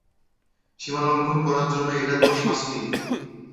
সীমালঙ্ঘন করার জন্য এটা তোর শাস্তি।